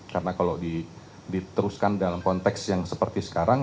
karena kalau diteruskan dalam konteks yang seperti sekarang